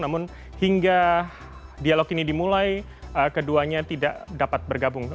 namun hingga dialog ini dimulai keduanya tidak dapat bergabung